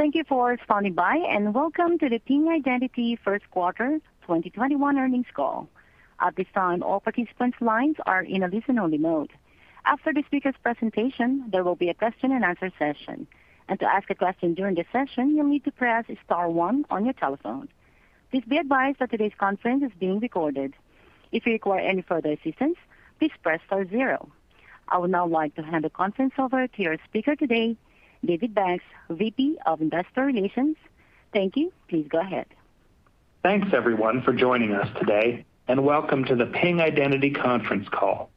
Thank you for standing by, welcome to the Ping Identity first quarter 2021 earnings call. At this time, all participants' lines are in a listen-only mode. After the speakers' presentation, there will be a question and answer session. To ask a question during the session, you'll need to press star one on your telephone. Please be advised that today's conference is being recorded. If you require any further assistance, please press star zero. I would now like to hand the conference over to your speaker today, David Banks, VP of Investor Relations. Thank you. Please go ahead. Thanks, everyone, for joining us today, and welcome to the Ping Identity conference call,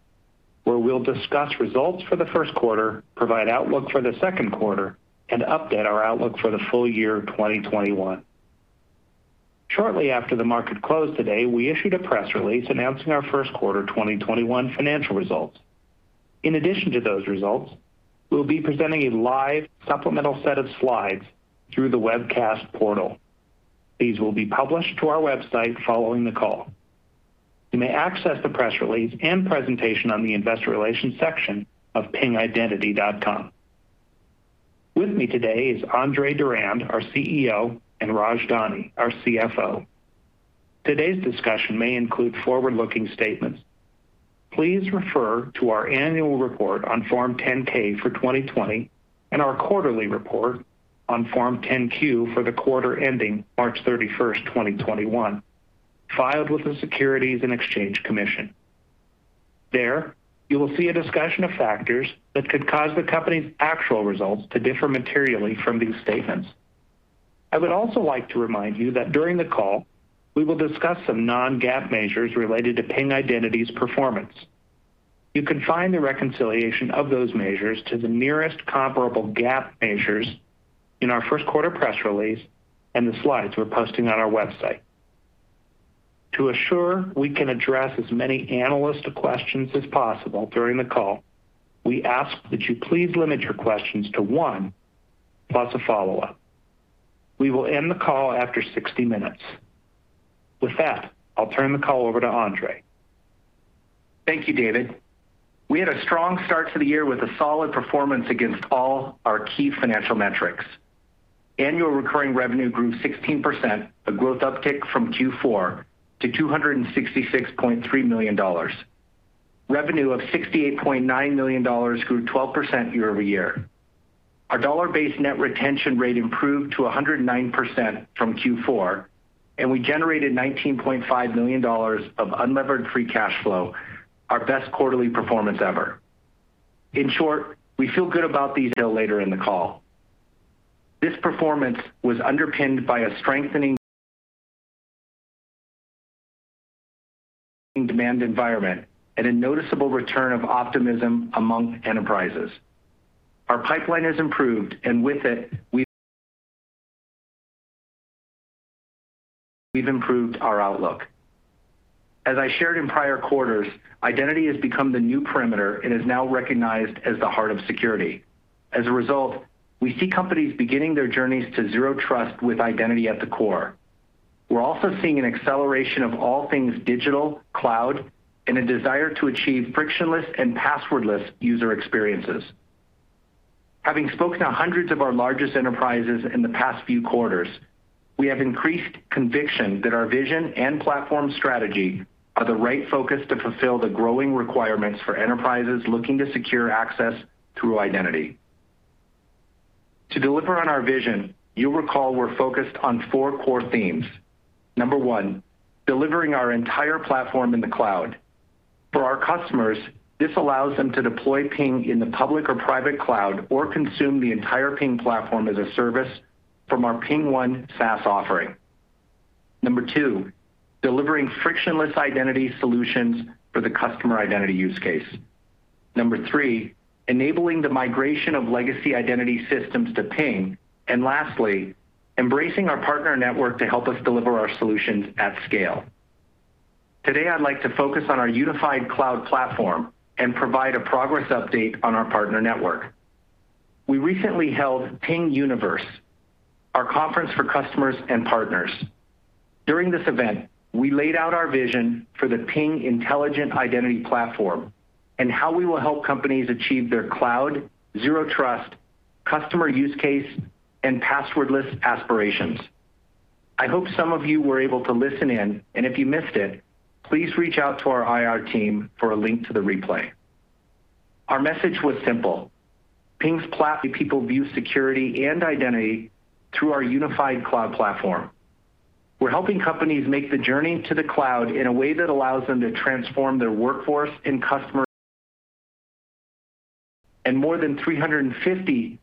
where we'll discuss results for the first quarter, provide outlook for the second quarter, and update our outlook for the full year 2021. Shortly after the market closed today, we issued a press release announcing our first quarter 2021 financial results. In addition to those results, we'll be presenting a live supplemental set of slides through the webcast portal. These will be published to our website following the call. You may access the press release and presentation on the investor relations section of pingidentity.com. With me today is Andre Durand, our CEO, and Raj Dani, our CFO. Today's discussion may include forward-looking statements. Please refer to our annual report on Form 10-K for 2020 and our quarterly report on Form 10-Q for the quarter ending March 31st, 2021, filed with the Securities and Exchange Commission. There, you will see a discussion of factors that could cause the company's actual results to differ materially from these statements. I would also like to remind you that during the call, we will discuss some non-GAAP measures related to Ping Identity's performance. You can find the reconciliation of those measures to the nearest comparable GAAP measures in our first quarter press release and the slides we're posting on our website. To assure we can address as many analyst questions as possible during the call, we ask that you please limit your questions to one, plus a follow-up. We will end the call after 60 minutes. With that, I'll turn the call over to Andre. Thank you, David. We had a strong start to the year with a solid performance against all our key financial metrics. Annual recurring revenue grew 16%, a growth uptick from Q4, to $266.3 million. Revenue of $68.9 million grew 12% year-over-year. Our dollar-based net retention rate improved to 109% from Q4, and we generated $19.5 million of unlevered free cash flow, our best quarterly performance ever. In short, we feel good about these until later in the call. This performance was underpinned by a strengthening demand environment and a noticeable return of optimism among enterprises. Our pipeline has improved, and with it, we've improved our outlook. As I shared in prior quarters, identity has become the new perimeter and is now recognized as the heart of security. As a result, we see companies beginning their journeys to zero trust with identity at the core. We're also seeing an acceleration of all things digital, cloud, and a desire to achieve frictionless and passwordless user experiences. Having spoken to hundreds of our largest enterprises in the past few quarters, we have increased conviction that our vision and platform strategy are the right focus to fulfill the growing requirements for enterprises looking to secure access through identity. To deliver on our vision, you'll recall we're focused on four core themes. Number one, delivering our entire platform in the cloud. For our customers, this allows them to deploy Ping in the public or private cloud or consume the entire Ping platform as a service from our PingOne SaaS offering. Number two, delivering frictionless identity solutions for the customer identity use case. Number three, enabling the migration of legacy identity systems to Ping. Lastly, embracing our partner network to help us deliver our solutions at scale. Today, I'd like to focus on our unified cloud platform and provide a progress update on our partner network. We recently held Ping YOUniverse, our conference for customers and partners. During this event, we laid out our vision for the Ping Intelligent Identity Platform and how we will help companies achieve their cloud, zero trust, customer use case, and passwordless aspirations. I hope some of you were able to listen in, and if you missed it, please reach out to our IR team for a link to the replay. Our message was simple. Ping's plat the people view security and identity through our unified cloud platform. We're helping companies make the journey to the cloud in a way that allows them to transform their workforce and customer. More than 350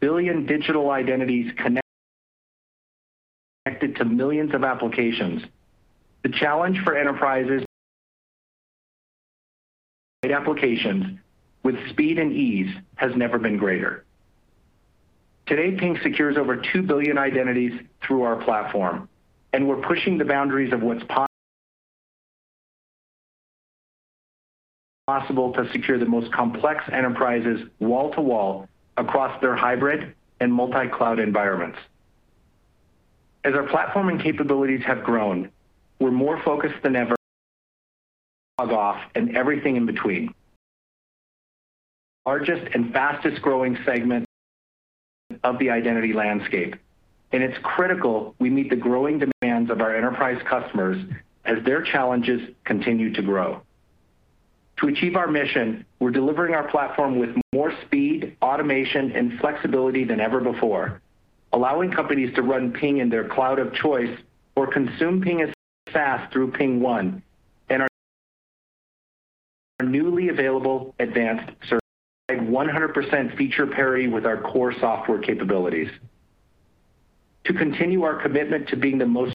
billion digital identities connected to millions of applications. The challenge for enterprise applications with speed and ease has never been greater. Today, Ping secures over 2 billion identities through our platform, and we're pushing the boundaries of what's possible to secure the most complex enterprises wall-to-wall across their hybrid and multi-cloud environments. As our platform and capabilities have grown, we're more focused than ever. Largest and fastest-growing segment of the identity landscape. It's critical we meet the growing demands of our enterprise customers as their challenges continue to grow. To achieve our mission, we're delivering our platform with more speed, automation, and flexibility than ever before, allowing companies to run Ping in their cloud of choice or consume Ping as SaaS through PingOne and our newly available PingOne Advanced Services, like 100% feature parity with our core software capabilities. To continue our commitment to being the most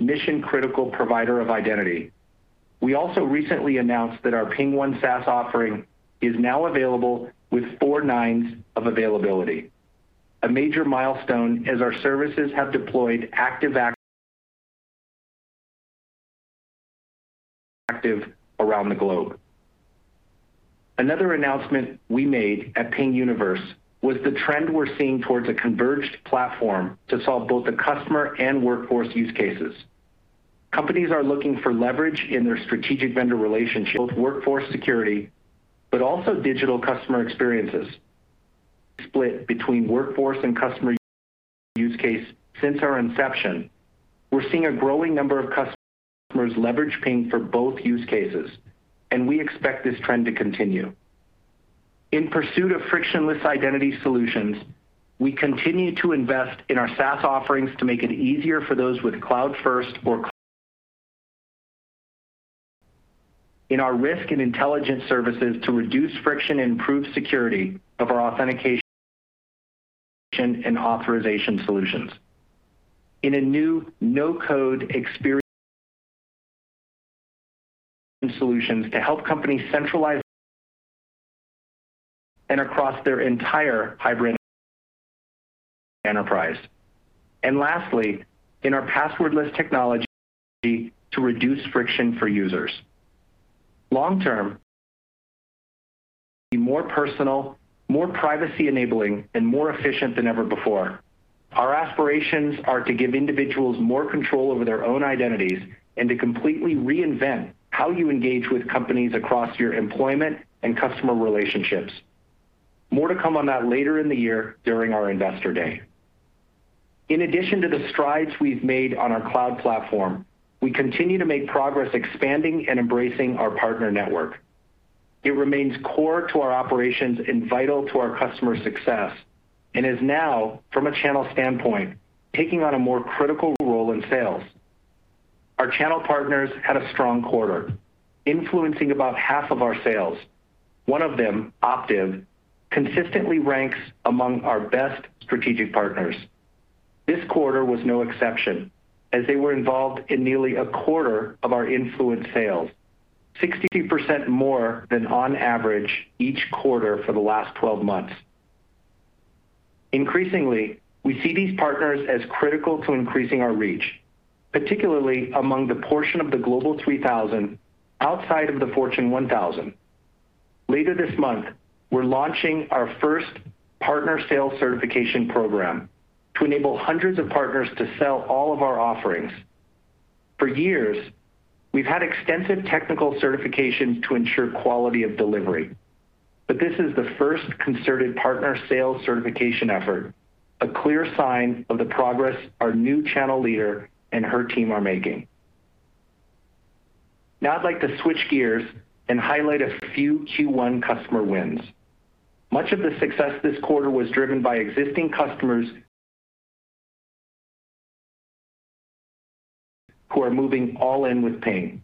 mission-critical provider of identity, we also recently announced that our PingOne SaaS offering is now available with four 9s of availability, a major milestone as our services have deployed active around the globe. Another announcement we made at Ping YOUniverse was the trend we're seeing towards a converged platform to solve both the customer and workforce use cases. Companies are looking for leverage in their strategic vendor relationships, both workforce security, but also digital customer experiences. Split between workforce and customer use case since our inception. We're seeing a growing number of customers leverage Ping for both use cases, and we expect this trend to continue. In pursuit of frictionless identity solutions, we continue to invest in our SaaS offerings to make it easier for those with cloud-first or cloud in our risk and intelligence services to reduce friction and improve security of our authentication and authorization solutions. In a new no-code experience solutions to help companies centralize and across their entire hybrid enterprise. Lastly, in our passwordless technology to reduce friction for users. Long term, be more personal, more privacy enabling, and more efficient than ever before. Our aspirations are to give individuals more control over their own identities and to completely reinvent how you engage with companies across your employment and customer relationships. More to come on that later in the year during our Investor Day. In addition to the strides we've made on our cloud platform, we continue to make progress expanding and embracing our partner network. It remains core to our operations and vital to our customers' success and is now, from a channel standpoint, taking on a more critical role in sales. Our channel partners had a strong quarter, influencing about half of our sales. One of them, Optiv, consistently ranks among our best strategic partners. This quarter was no exception, as they were involved in nearly a quarter of our influenced sales, 62% more than on average each quarter for the last 12 months. Increasingly, we see these partners as critical to increasing our reach, particularly among the portion of the Global 3000 outside of the Fortune 1000. Later this month, we're launching our first partner sales certification program to enable hundreds of partners to sell all of our offerings. For years, we've had extensive technical certifications to ensure quality of delivery, but this is the first concerted partner sales certification effort, a clear sign of the progress our new channel leader and her team are making. Now I'd like to switch gears and highlight a few Q1 customer wins. Much of the success this quarter was driven by existing customers who are moving all in with Ping.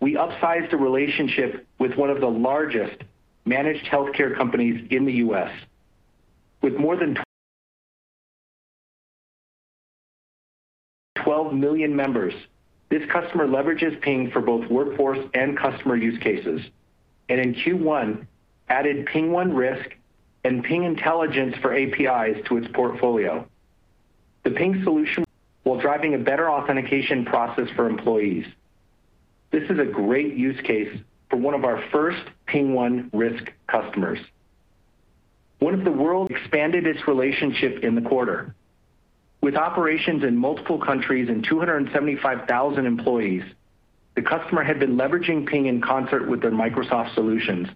We upsized a relationship with one of the largest managed healthcare companies in the U.S. With more than 12 million members, this customer leverages Ping for both workforce and customer use cases, and in Q1, added PingOne Risk and PingIntelligence for APIs to its portfolio. The Ping solution while driving a better authentication process for employees. This is a great use case for one of our first PingOne Risk customers. One of the world expanded its relationship in the quarter. With operations in multiple countries and 275,000 employees, the customer had been leveraging Ping in concert with their Microsoft solutions,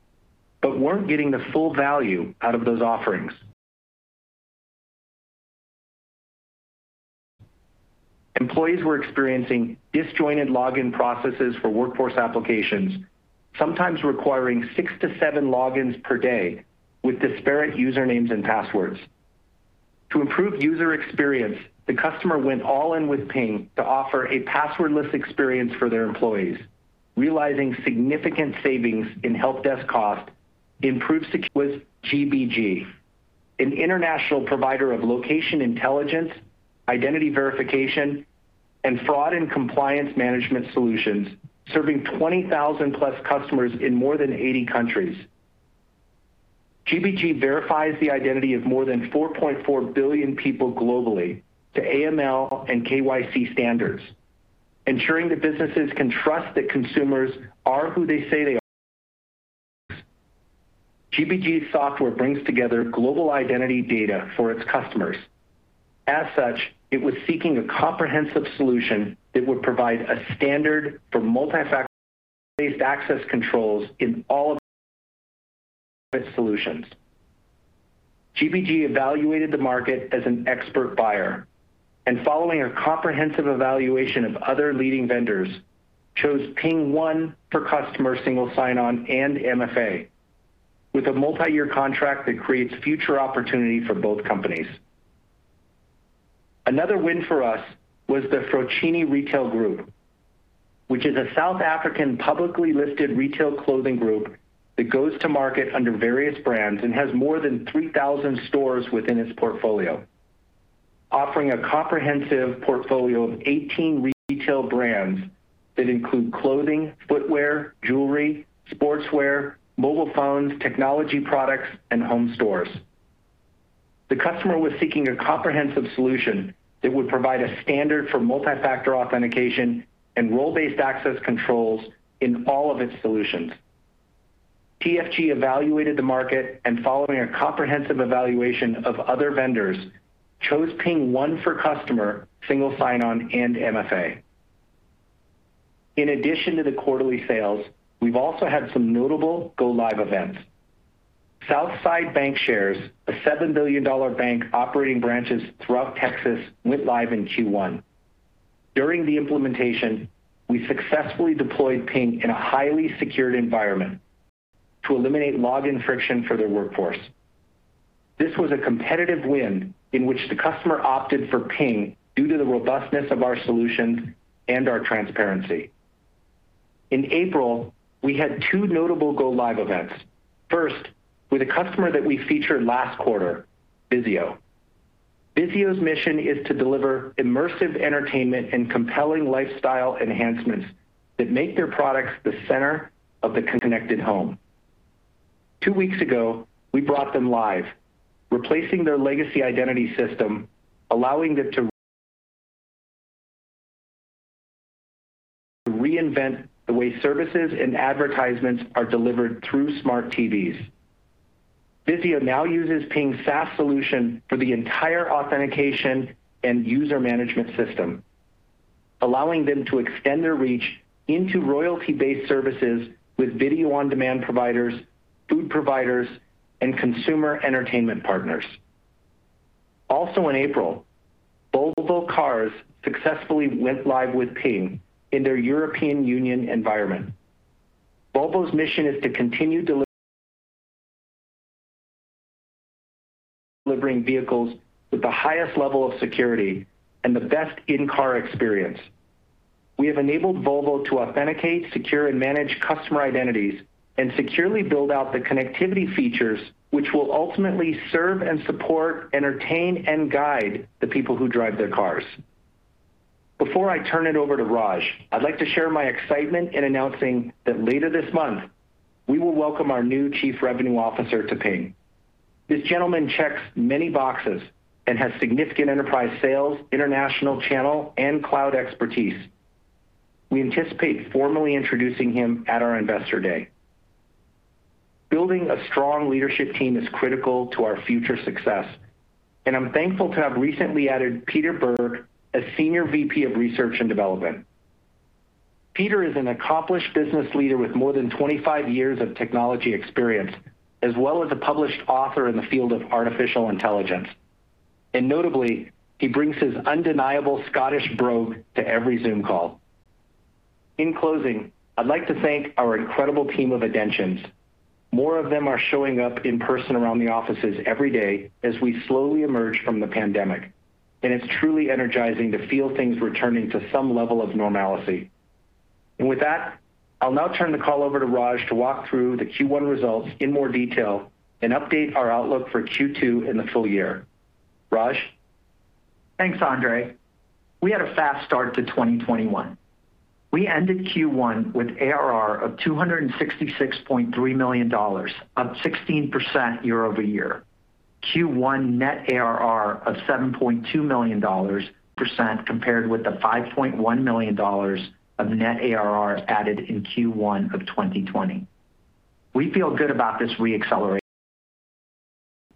but weren't getting the full value out of those offerings. Employees were experiencing disjointed login processes for workforce applications, sometimes requiring six to seven logins per day with disparate usernames and passwords. To improve user experience, the customer went all in with Ping to offer a passwordless experience for their employees, realizing significant savings in help desk costs, improved security with GBG, an international provider of location intelligence, identity verification, and fraud and compliance management solutions, serving 20,000+ customers in more than 80 countries. GBG verifies the identity of more than 4.4 billion people globally to AML and KYC standards, ensuring that businesses can trust that consumers are who they say they are. GBG's software brings together global identity data for its customers. As such, it was seeking a comprehensive solution that would provide a standard for multi-factor based access controls in all of its solutions. GBG evaluated the market as an expert buyer, and following a comprehensive evaluation of other leading vendors, chose PingOne for customer single sign-on and MFA, with a multi-year contract that creates future opportunity for both companies. Another win for us was the Foschini Retail Group, which is a South African publicly listed retail clothing group that goes to market under various brands and has more than 3,000 stores within its portfolio. Offering a comprehensive portfolio of 18 retail brands that include clothing, footwear, jewelry, sportswear, mobile phones, technology products, and home stores. The customer was seeking a comprehensive solution that would provide a standard for multi-factor authentication and role-based access controls in all of its solutions. PRG evaluated the market, following a comprehensive evaluation of other vendors, chose PingOne for customer single sign-on and MFA. In addition to the quarterly sales, we've also had some notable go live events. Southside Bancshares, a $7 billion bank operating branches throughout Texas, went live in Q1. During the implementation, we successfully deployed Ping in a highly secured environment to eliminate login friction for their workforce. This was a competitive win in which the customer opted for Ping due to the robustness of our solutions and our transparency. In April, we had two notable go live events. First, with a customer that we featured last quarter, VIZIO. VIZIO's mission is to deliver immersive entertainment and compelling lifestyle enhancements that make their products the center of the connected home. Two weeks ago, we brought them live, replacing their legacy identity system, allowing them to reinvent the way services and advertisements are delivered through smart TVs. VIZIO now uses Ping SaaS solution for the entire authentication and user management system, allowing them to extend their reach into royalty-based services with video on-demand providers, food providers, and consumer entertainment partners. Also in April, Volvo Cars successfully went live with Ping in their European Union environment. Volvo's mission is to continue delivering vehicles with the highest level of security and the best in-car experience. We have enabled Volvo to authenticate, secure, and manage customer identities and securely build out the connectivity features which will ultimately serve and support, entertain, and guide the people who drive their cars. Before I turn it over to Raj, I'd like to share my excitement in announcing that later this month, we will welcome our new chief revenue officer to Ping. This gentleman checks many boxes and has significant enterprise sales, international channel, and cloud expertise. We anticipate formally introducing him at our investor day. Building a strong leadership team is critical to our future success, I'm thankful to have recently added Peter Berg as senior VP of research and development. Peter is an accomplished business leader with more than 25 years of technology experience, as well as a published author in the field of artificial intelligence. Notably, he brings his undeniable Scottish brogue to every Zoom call. In closing, I'd like to thank our incredible team of Identians. More of them are showing up in person around the offices every day as we slowly emerge from the pandemic. It's truly energizing to feel things returning to some level of normalcy. With that, I'll now turn the call over to Raj to walk through the Q1 results in more detail and update our outlook for Q2 and the full year. Raj? Thanks, Andre. We had a fast start to 2021. We ended Q1 with ARR of $266.3 million, up 16% year-over-year. Q1 net ARR of $7.2 million, percent compared with the $5.1 million of net ARR added in Q1 of 2020. We feel good about this re-acceleration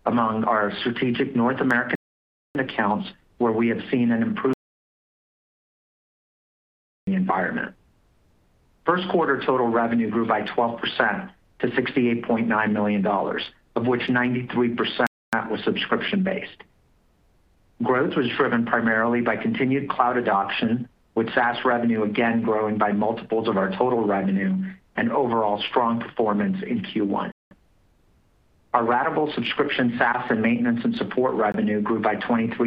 among our strategic North American accounts, where we have seen an improved environment. First quarter total revenue grew by 12% to $68.9 million, of which 93% was subscription-based. Growth was driven primarily by continued cloud adoption, with SaaS revenue again growing by multiples of our total revenue and overall strong performance in Q1. Our ratable subscription SaaS and maintenance and support revenue grew by 23%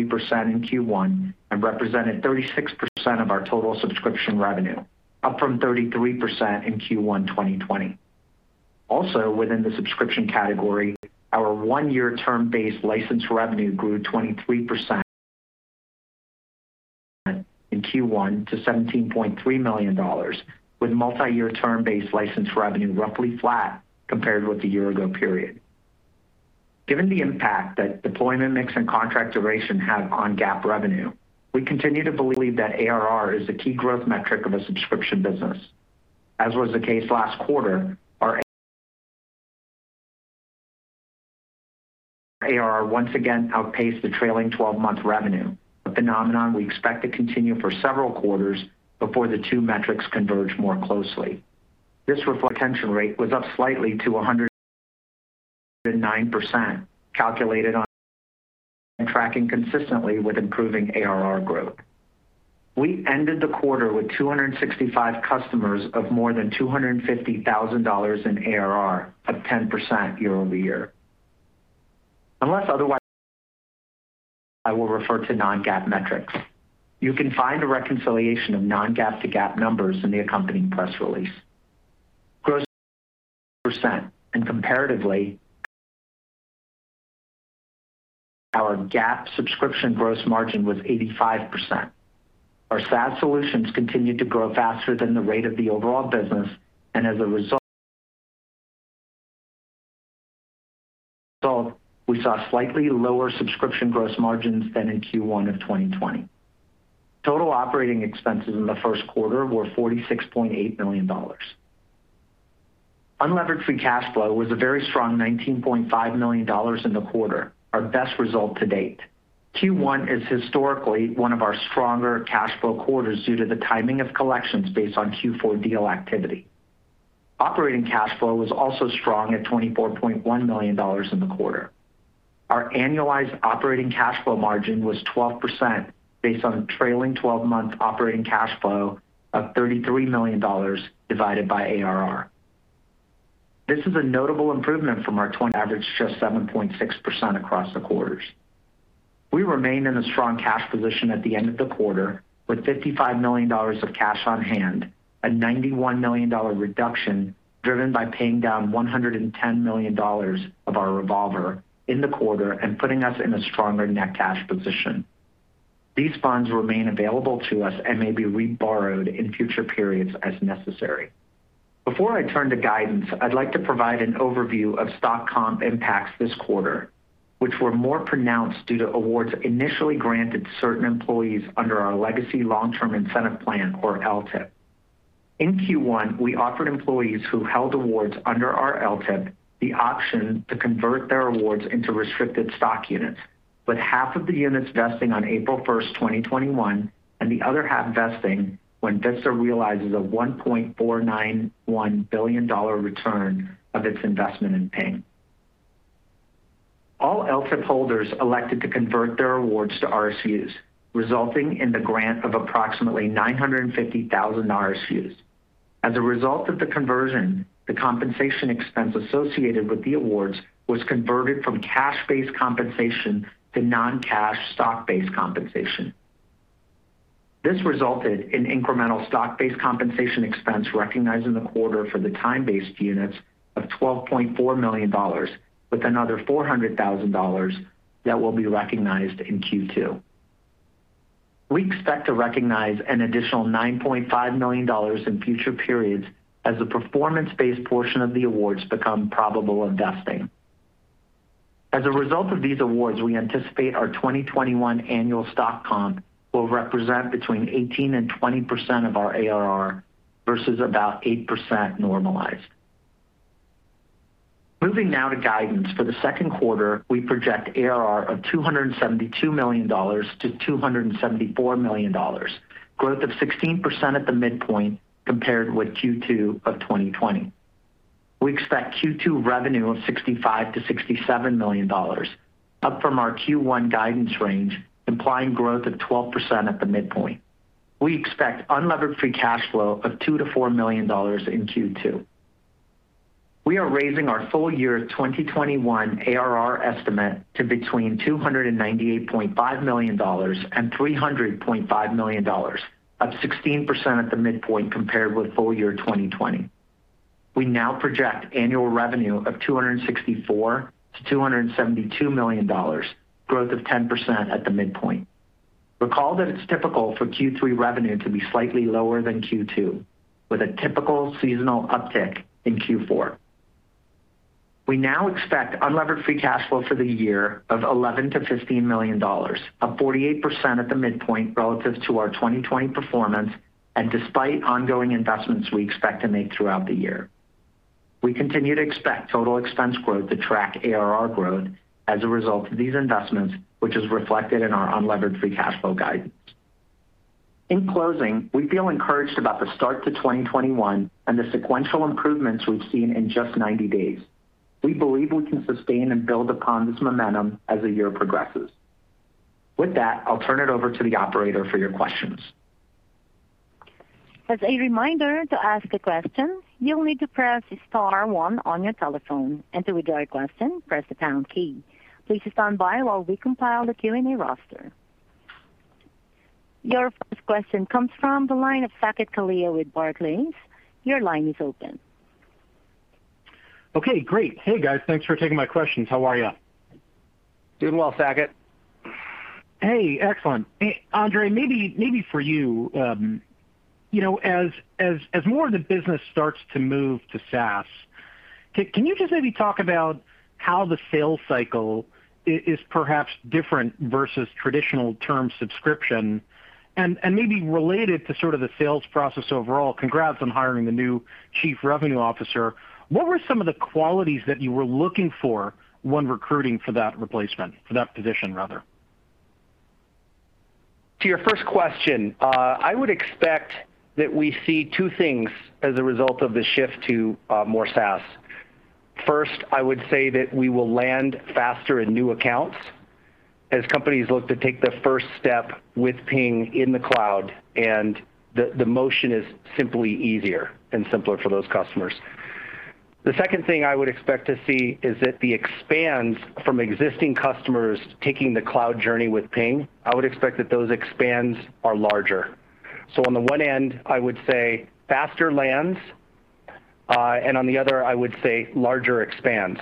in Q1 and represented 36% of our total subscription revenue, up from 33% in Q1 2020. Within the subscription category, our one-year term-based license revenue grew 23% in Q1 to $17.3 million, with multi-year term-based license revenue roughly flat compared with the year-ago period. Given the impact that deployment mix and contract duration have on GAAP revenue, we continue to believe that ARR is the key growth metric of a subscription business. As was the case last quarter, our ARR once again outpaced the trailing 12-month revenue, a phenomenon we expect to continue for several quarters before the two metrics converge more closely. This retention rate was up slightly to 109%, calculated on and tracking consistently with improving ARR growth. We ended the quarter with 265 customers of more than $250,000 in ARR, up 10% year-over-year. Unless otherwise, I will refer to non-GAAP metrics. You can find a reconciliation of non-GAAP to GAAP numbers in the accompanying press release. Gross percent and comparatively our GAAP subscription gross margin was 85%. Our SaaS solutions continued to grow faster than the rate of the overall business, and as a result, we saw slightly lower subscription gross margins than in Q1 of 2020. Total operating expenses in the first quarter were $46.8 million. Unlevered free cash flow was a very strong $19.5 million in the quarter, our best result to date. Q1 is historically one of our stronger cash flow quarters due to the timing of collections based on Q4 deal activity. Operating cash flow was also strong at $24.1 million in the quarter. Our annualized operating cash flow margin was 12% based on trailing 12-month operating cash flow of $33 million divided by ARR. This is a notable improvement from our average just 7.6% across the quarters. We remain in a strong cash position at the end of the quarter with $55 million of cash on hand, a $91 million reduction driven by paying down $110 million of our revolver in the quarter and putting us in a stronger net cash position. These funds remain available to us and may be reborrowed in future periods as necessary. Before I turn to guidance, I'd like to provide an overview of stock comp impacts this quarter, which were more pronounced due to awards initially granted to certain employees under our legacy long-term incentive plan, or LTIP. In Q1, we offered employees who held awards under our LTIP the option to convert their awards into restricted stock units, with half of the units vesting on April 1st, 2021, and the other half vesting when Vista Equity Partners realizes a $1.491 billion return of its investment in Ping Identity. All LTIP holders elected to convert their awards to RSUs, resulting in the grant of approximately 950,000 RSUs. As a result of the conversion, the compensation expense associated with the awards was converted from cash-based compensation to non-cash stock-based compensation. This resulted in incremental stock-based compensation expense recognized in the quarter for the time-based units of $12.4 million, with another $400,000 that will be recognized in Q2. We expect to recognize an additional $9.5 million in future periods as the performance-based portion of the awards become probable of vesting. As a result of these awards, we anticipate our 2021 annual stock comp will represent between 18% and 20% of our ARR, versus about 8% normalized. Moving now to guidance. For the second quarter, we project ARR of $272 million-$274 million, growth of 16% at the midpoint compared with Q2 of 2020. We expect Q2 revenue of $65 million-$67 million, up from our Q1 guidance range, implying growth of 12% at the midpoint. We expect unlevered free cash flow of $2 million-$4 million in Q2. We are raising our full year 2021 ARR estimate to between $298.5 million and $300.5 million, up 16% at the midpoint compared with full year 2020. We now project annual revenue of $264 million-$272 million, growth of 10% at the midpoint. Recall that it's typical for Q3 revenue to be slightly lower than Q2, with a typical seasonal uptick in Q4. We now expect unlevered free cash flow for the year of $11 million-$15 million, up 48% at the midpoint relative to our 2020 performance and despite ongoing investments we expect to make throughout the year. We continue to expect total expense growth to track ARR growth as a result of these investments, which is reflected in our unlevered free cash flow guidance. In closing, we feel encouraged about the start to 2021 and the sequential improvements we've seen in just 90 days. We believe we can sustain and build upon this momentum as the year progresses. With that, I'll turn it over to the operator for your questions. As a reminder, to ask a question, you'll need to press star one on your telephone, and to withdraw your question, press the pound key. Please stand by while we compile the Q&A roster. Your first question comes from the line of Saket Kalia with Barclays. Your line is open. Okay, great. Hey, guys. Thanks for taking my questions. How are you? Doing well, Saket. Hey, excellent. Andre, maybe for you, as more of the business starts to move to SaaS, can you just maybe talk about how the sales cycle is perhaps different versus traditional term subscription and maybe relate it to sort of the sales process overall? Congrats on hiring the new Chief Revenue Officer. What were some of the qualities that you were looking for when recruiting for that position? To your first question, I would expect that we see two things as a result of the shift to more SaaS. First, I would say that we will land faster in new accounts as companies look to take the first step with Ping in the cloud, and the motion is simply easier and simpler for those customers. The second thing I would expect to see is that the expands from existing customers taking the cloud journey with Ping, I would expect that those expands are larger. On the one end, I would say faster lands, and on the other, I would say larger expands.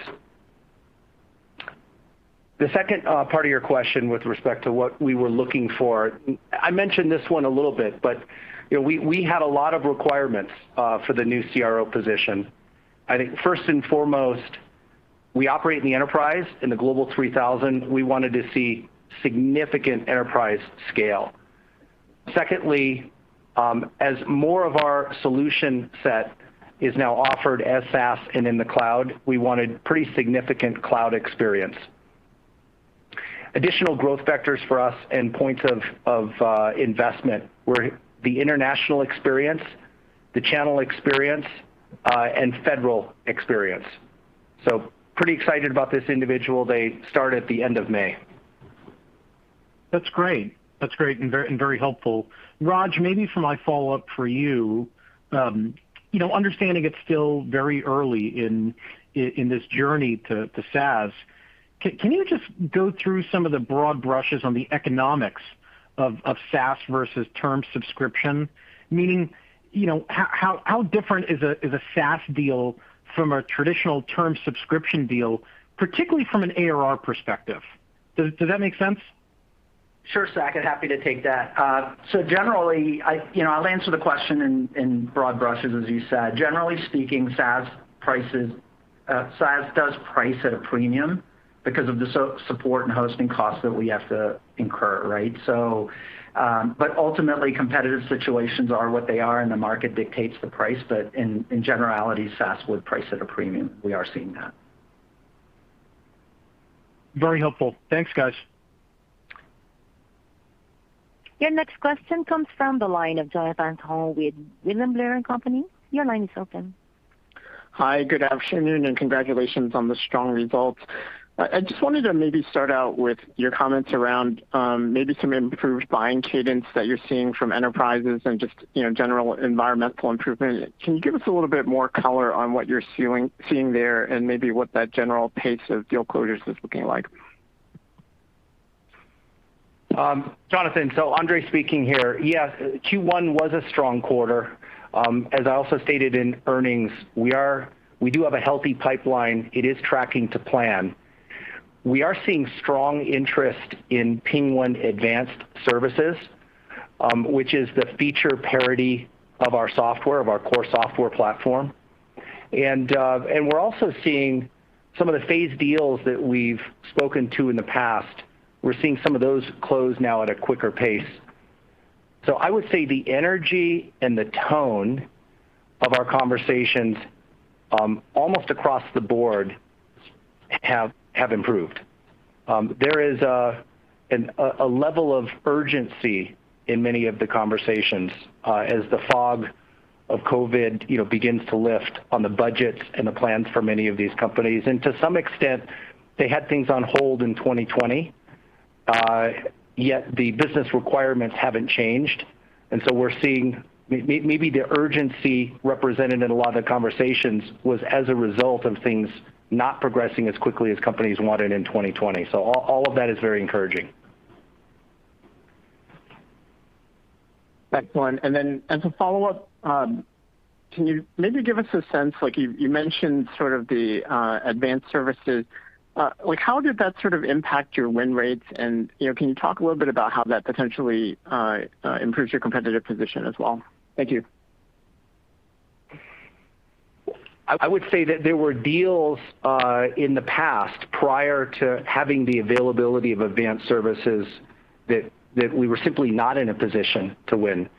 The second part of your question with respect to what we were looking for, I mentioned this one a little bit, but we had a lot of requirements for the new CRO position. I think first and foremost, we operate in the enterprise, in the Global 3000. We wanted to see significant enterprise scale. Secondly, as more of our solution set is now offered as SaaS and in the cloud, we wanted pretty significant cloud experience. Additional growth vectors for us and points of investment were the international experience, the channel experience, and federal experience. Pretty excited about this individual. They start at the end of May. That's great. That's great and very helpful. Raj, maybe for my follow-up for you, understanding it's still very early in this journey to SaaS, can you just go through some of the broad brushes on the economics of SaaS versus term subscription? Meaning, how different is a SaaS deal from a traditional term subscription deal, particularly from an ARR perspective? Does that make sense? Sure, Saket, happy to take that. Generally, I'll answer the question in broad brushes, as you said. Generally speaking, SaaS does price at a premium because of the support and hosting costs that we have to incur, right? Ultimately, competitive situations are what they are, and the market dictates the price. In generality, SaaS would price at a premium. We are seeing that. Very helpful. Thanks, guys. Your next question comes from the line of Jonathan Ho with William Blair & Company. Your line is open. Hi, good afternoon, congratulations on the strong results. I just wanted to maybe start out with your comments around maybe some improved buying cadence that you're seeing from enterprises and just general environmental improvement. Can you give us a little bit more color on what you're seeing there and maybe what that general pace of deal closures is looking like? Jonathan, Andre speaking here. Yes, Q1 was a strong quarter. As I also stated in earnings, we do have a healthy pipeline. It is tracking to plan. We are seeing strong interest in PingOne Advanced Services, which is the feature parity of our core software platform. We're also seeing some of the phased deals that we've spoken to in the past, we're seeing some of those close now at a quicker pace. I would say the energy and the tone of our conversations, almost across the board, have improved. There is a level of urgency in many of the conversations as the fog of COVID begins to lift on the budgets and the plans for many of these companies. To some extent, they had things on hold in 2020, yet the business requirements haven't changed. We're seeing maybe the urgency represented in a lot of the conversations was as a result of things not progressing as quickly as companies wanted in 2020. All of that is very encouraging. Excellent. As a follow-up, can you maybe give us a sense, like you mentioned sort of the Advanced Services. How did that sort of impact your win rates, and can you talk a little bit about how that potentially improves your competitive position as well? Thank you. I would say that there were deals in the past, prior to having the availability of advanced services, that we were simply not in a position to win.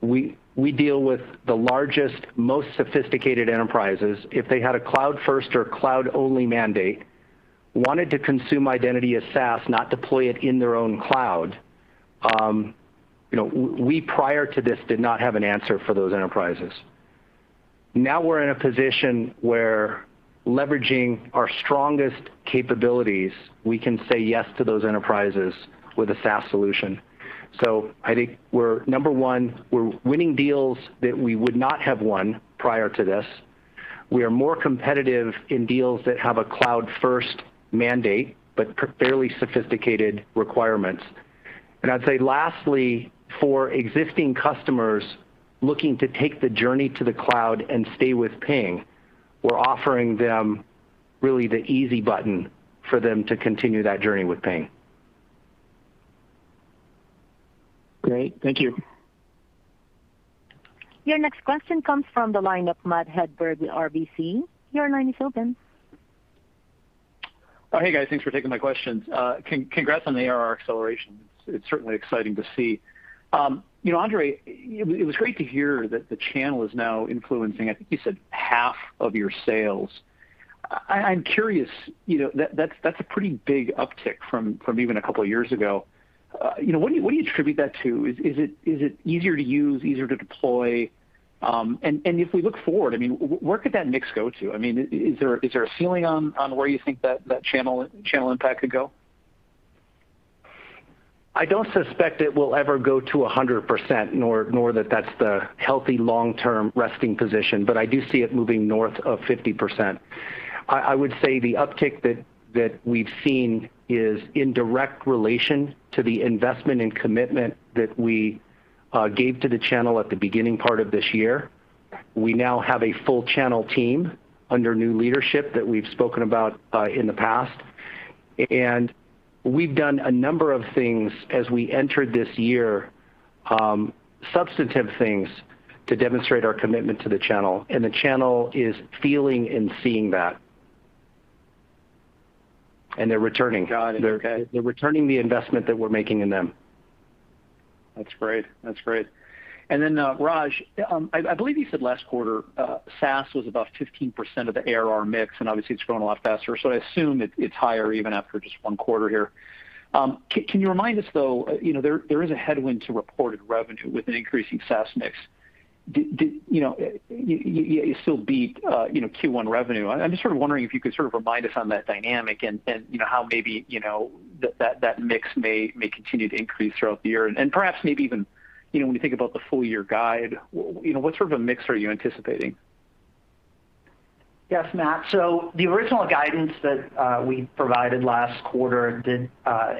We deal with the largest, most sophisticated enterprises. If they had a cloud-first or cloud-only mandate, wanted to consume identity as SaaS, not deploy it in their own cloud, we prior to this did not have an answer for those enterprises. Now we're in a position where leveraging our strongest capabilities, we can say yes to those enterprises with a SaaS solution. I think we're, number one, we're winning deals that we would not have won prior to this. We are more competitive in deals that have a cloud-first mandate, but fairly sophisticated requirements. I'd say lastly, for existing customers looking to take the journey to the cloud and stay with Ping, we're offering them really the easy button for them to continue that journey with Ping. Great. Thank you. Your next question comes from the line of Matthew Hedberg with RBC. Your line is open. Oh, hey, guys. Thanks for taking my questions. Congrats on the ARR acceleration. It's certainly exciting to see. Andre, it was great to hear that the channel is now influencing, I think you said, half of your sales. I'm curious, that's a pretty big uptick from even a couple of years ago. What do you attribute that to? Is it easier to use, easier to deploy? If we look forward, where could that mix go to? Is there a ceiling on where you think that channel impact could go? I don't suspect it will ever go to 100%, nor that that's the healthy long-term resting position. I do see it moving north of 50%. I would say the uptick that we've seen is in direct relation to the investment and commitment that we gave to the channel at the beginning part of this year. We now have a full channel team under new leadership that we've spoken about in the past. We've done a number of things as we entered this year, substantive things, to demonstrate our commitment to the channel, and the channel is feeling and seeing that. They're returning. Got it. Okay. They're returning the investment that we're making in them. That's great. Then Raj, I believe you said last quarter, SaaS was about 15% of the ARR mix, and obviously, it's grown a lot faster, so I assume it's higher even after just one quarter here. Can you remind us, though, there is a headwind to reported revenue with an increasing SaaS mix. You still beat Q1 revenue. I'm just sort of wondering if you could sort of remind us on that dynamic and how maybe that mix may continue to increase throughout the year. Perhaps maybe even, when you think about the full-year guide, what sort of a mix are you anticipating? Yes, Matt. The original guidance that we provided last quarter did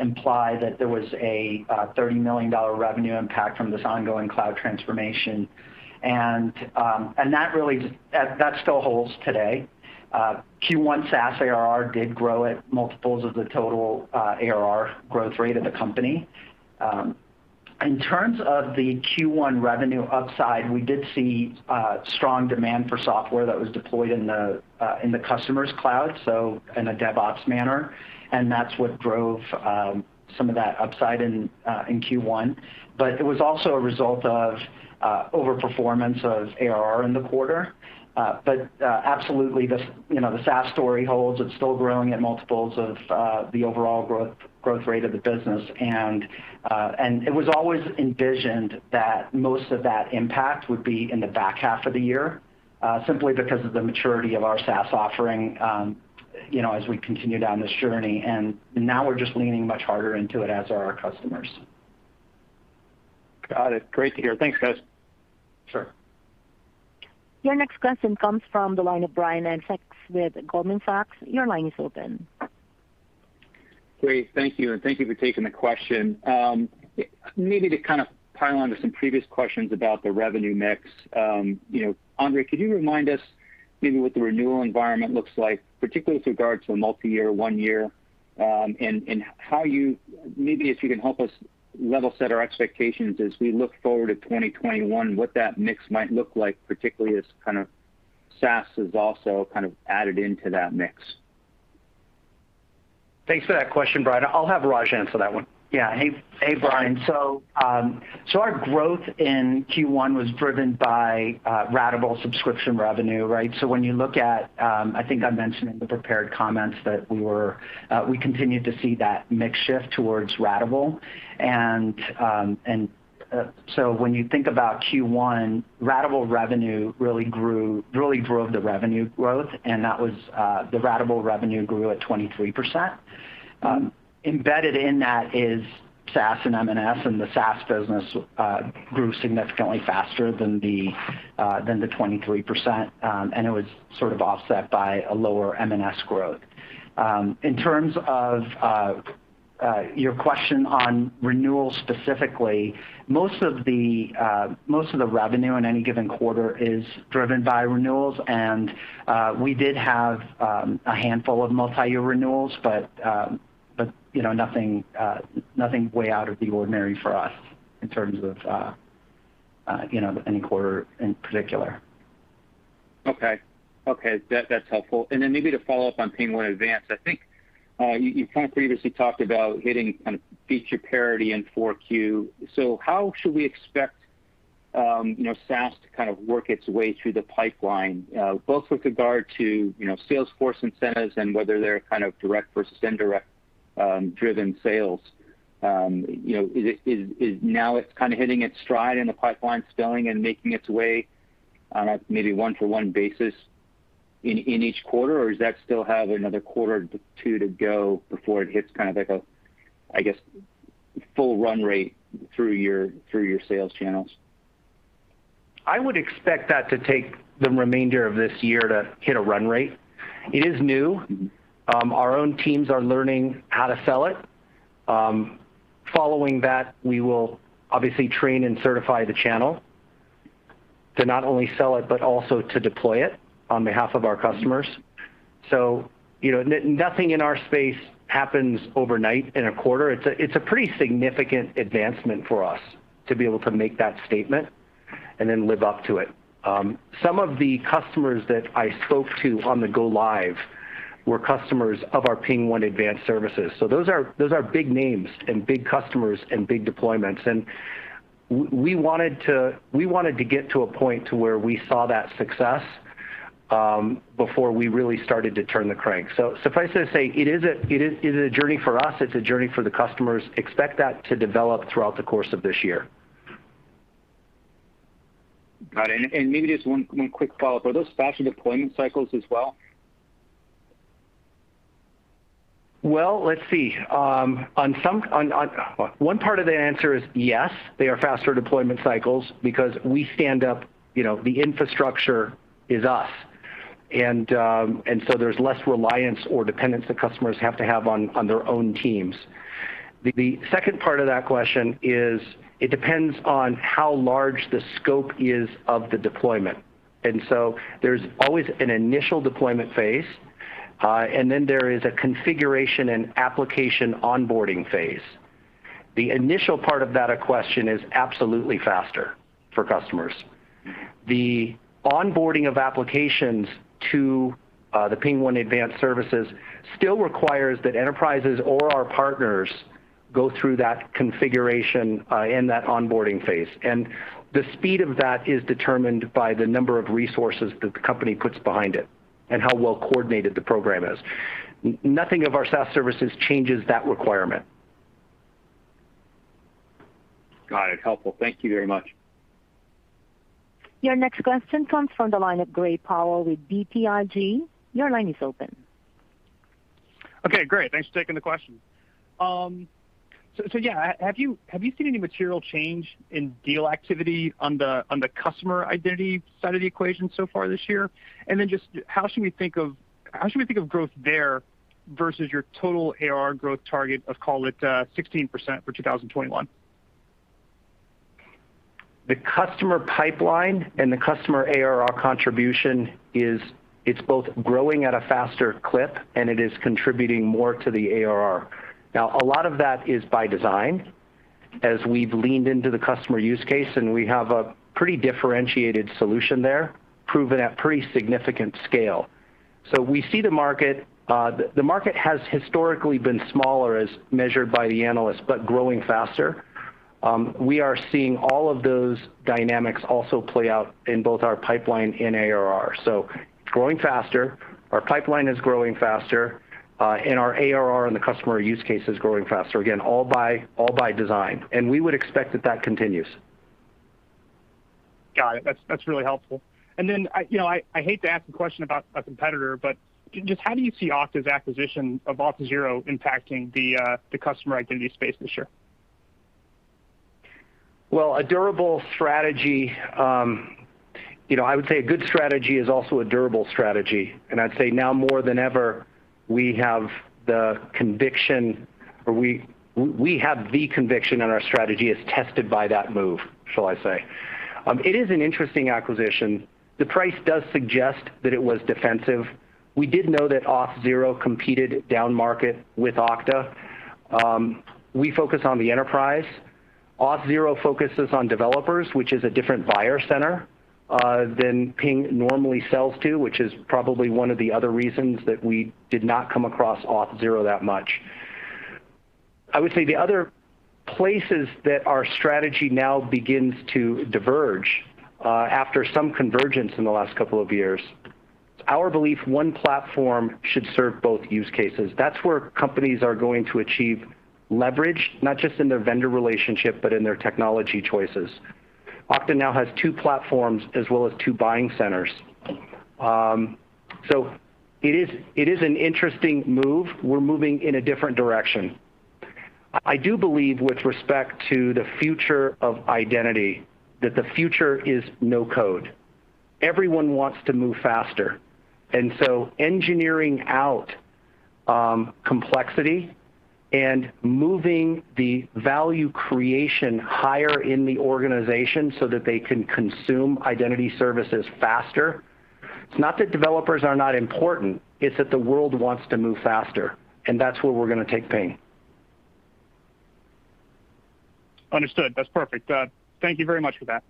imply that there was a $30 million revenue impact from this ongoing cloud transformation, and that still holds today. Q1 SaaS ARR did grow at multiples of the total ARR growth rate of the company. In terms of the Q1 revenue upside, we did see strong demand for software that was deployed in the customer's cloud, so in a DevOps manner, and that's what drove some of that upside in Q1. It was also a result of over-performance of ARR in the quarter. Absolutely the SaaS story holds. It's still growing at multiples of the overall growth rate of the business. It was always envisioned that most of that impact would be in the back half of the year, simply because of the maturity of our SaaS offering as we continue down this journey. Now we're just leaning much harder into it, as are our customers. Got it. Great to hear. Thanks, guys. Sure. Your next question comes from the line of Brian Essex with Goldman Sachs. Your line is open. Great. Thank you. Thank you for taking the question. Maybe to kind of pile on to some previous questions about the revenue mix. Andre, could you remind us maybe what the renewal environment looks like, particularly with regard to multi-year, one-year, how you, maybe if you can help us level set our expectations as we look forward to 2021, what that mix might look like, particularly as SaaS is also kind of added into that mix? Thanks for that question, Brian. I'll have Raj answer that one. Hey, Brian. Our growth in Q1 was driven by ratable subscription revenue, right? When you look at, I think I mentioned in the prepared comments that we continued to see that mix shift towards ratable. When you think about Q1, ratable revenue really drove the revenue growth, and that was the ratable revenue grew at 23%. Embedded in that is SaaS and M&S, and the SaaS business grew significantly faster than the 23%, and it was sort of offset by a lower M&S growth. In terms of your question on renewals specifically, most of the revenue in any given quarter is driven by renewals, and we did have a handful of multi-year renewals, but nothing way out of the ordinary for us in terms of any quarter in particular. That's helpful. Maybe to follow up on PingOne Advanced Services, I think you kind of previously talked about hitting feature parity in 4Q. How should we expect SaaS to kind of work its way through the pipeline, both with regard to sales force incentives and whether they're kind of direct versus indirect-driven sales? It's kind of hitting its stride in the pipeline, selling and making its way on a maybe one-for-one basis in each quarter, or does that still have another quarter to two to go before it hits kind of like a, I guess, full run rate through your sales channels? I would expect that to take the remainder of this year to hit a run rate. It is new. Our own teams are learning how to sell it. Following that, we will obviously train and certify the channel to not only sell it, but also to deploy it on behalf of our customers. Nothing in our space happens overnight in a quarter. It's a pretty significant advancement for us to be able to make that statement and then live up to it. Some of the customers that I spoke to on the go live were customers of our PingOne Advanced Services. Those are big names and big customers and big deployments. We wanted to get to a point to where we saw that success before we really started to turn the crank. Suffice to say, it is a journey for us. It's a journey for the customers. Expect that to develop throughout the course of this year. Got it. Maybe just one quick follow-up. Are those faster deployment cycles as well? Let's see. One part of the answer is yes, they are faster deployment cycles because we stand up, the infrastructure is us. There's less reliance or dependence that customers have to have on their own teams. The second part of that question is, it depends on how large the scope is of the deployment. There's always an initial deployment phase, and then there is a configuration and application onboarding phase. The initial part of that question is absolutely faster for customers. The onboarding of applications to the PingOne Advanced Services still requires that enterprises or our partners go through that configuration and that onboarding phase. The speed of that is determined by the number of resources that the company puts behind it and how well coordinated the program is. Nothing of our SaaS services changes that requirement. Got it. Helpful. Thank you very much. Your next question comes from the line of Gray Powell with BTIG. Your line is open. Okay, great. Thanks for taking the question. Yeah, have you seen any material change in deal activity on the customer identity side of the equation so far this year? Just how should we think of growth there versus your total ARR growth target of, call it, 16% for 2021? The customer pipeline and the customer ARR contribution is both growing at a faster clip, and it is contributing more to the ARR. Now, a lot of that is by design as we've leaned into the customer use case, and we have a pretty differentiated solution there proven at pretty significant scale. We see the market. The market has historically been smaller as measured by the analyst, but growing faster. We are seeing all of those dynamics also play out in both our pipeline and ARR. Growing faster, our pipeline is growing faster, and our ARR and the customer use case is growing faster. Again, all by design. We would expect that that continues. Got it. That's really helpful. Then I hate to ask a question about a competitor, but just how do you see Okta's acquisition of Auth0 impacting the customer identity space this year? Well, a durable strategy, I would say a good strategy is also a durable strategy. I'd say now more than ever, we have the conviction, or we have the conviction in our strategy as tested by that move, shall I say. It is an interesting acquisition. The price does suggest that it was defensive. We did know that Auth0 competed down market with Okta. We focus on the enterprise. Auth0 focuses on developers, which is a different buyer center than Ping normally sells to, which is probably one of the other reasons that we did not come across Auth0 that much. I would say the other places that our strategy now begins to diverge after some convergence in the last couple of years, our belief one platform should serve both use cases. That's where companies are going to achieve leverage, not just in their vendor relationship, but in their technology choices. Okta now has two platforms as well as two buying centers. It is an interesting move. We're moving in a different direction. I do believe with respect to the future of identity, that the future is no-code. Everyone wants to move faster. Engineering out complexity and moving the value creation higher in the organization so that they can consume identity services faster. It's not that developers are not important, it's that the world wants to move faster, and that's where we're going to take Ping. Understood. That's perfect. Thank you very much for that.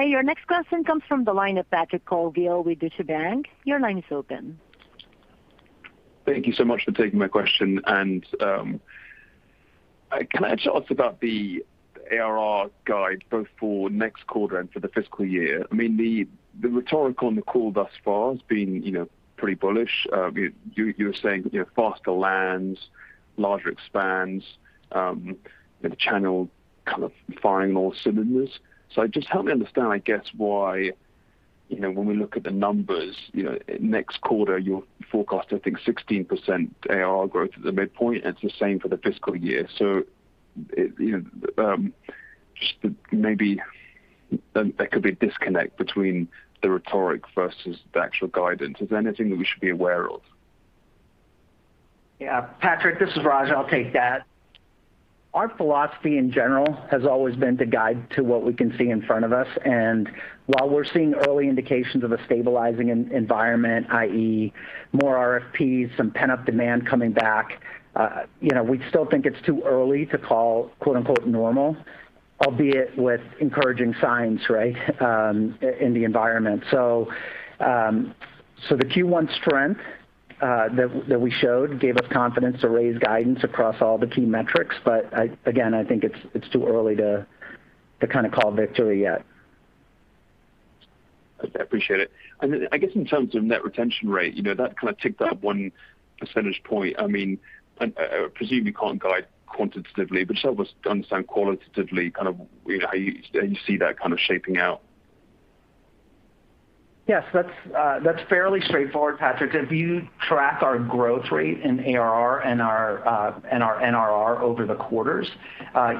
Your next question comes from the line of Patrick Colville with Deutsche Bank. Your line is open. Thank you so much for taking my question. Can I ask you also about the ARR guide both for next quarter and for the fiscal year? The rhetorical on the call thus far has been pretty bullish. You were saying faster lands, larger expands, the channel kind of firing all cylinders. Just help me understand, I guess, why when we look at the numbers, next quarter, you forecast, I think, 16% ARR growth at the midpoint, and it's the same for the fiscal year. Just maybe there could be a disconnect between the rhetoric versus the actual guidance. Is there anything that we should be aware of? Yeah. Patrick, this is Raj. I'll take that. Our philosophy, in general, has always been to guide to what we can see in front of us. While we're seeing early indications of a stabilizing environment, i.e., more RFPs, some pent-up demand coming back, we still think it's too early to call quote, unquote, "normal," albeit with encouraging signs, right, in the environment. The Q1 strength that we showed gave us confidence to raise guidance across all the key metrics. Again, I think it's too early to call victory yet. I appreciate it. I guess in terms of net retention rate, that kind of ticked up one percentage point. I presume you can't guide quantitatively, but just help us understand qualitatively how you see that shaping out. Yes. That's fairly straightforward, Patrick. If you track our growth rate in ARR and our NRR over the quarters,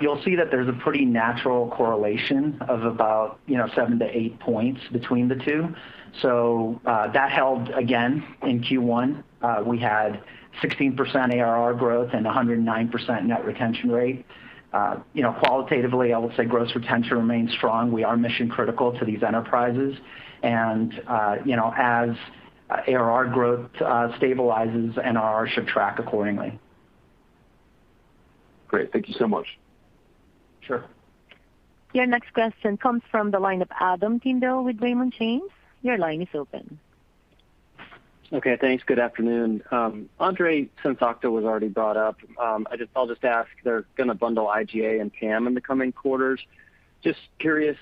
you'll see that there's a pretty natural correlation of about 7-8 points between the two. That held again in Q1. We had 16% ARR growth and 109% net retention rate. Qualitatively, I will say gross retention remains strong. We are mission-critical to these enterprises. As ARR growth stabilizes, NRR should track accordingly. Great. Thank you so much. Sure. Your next question comes from the line of Adam Tindle with Raymond James. Your line is open. Okay. Thanks. Good afternoon. Andre, since Okta was already brought up, I'll just ask, they're going to bundle IGA and PAM in the coming quarters. Just curious,